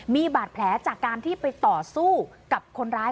มีบาดแผลจากการที่ไปต่อสู้กับคนร้าย